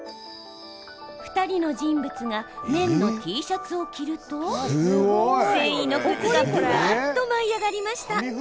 ２人の人物が綿のＴシャツを着ると繊維のクズがぶわっと舞い上がりました。